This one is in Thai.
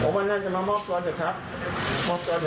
ก็ว่านั่นจะมามอบตัวเถอะครับมอบตัวเถอะนะ